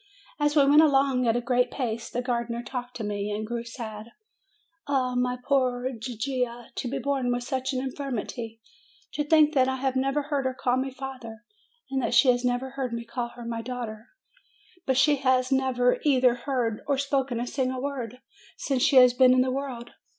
As we went along at a great pace, the gardener talked to me, and grew sad. "Ah, my poor Gigia ! To be born with such an in firmity ! To think that I have never heard her call me father; that she has never heard me call her my daughter; that she has never either heard or spoken a single word since she has been in the world!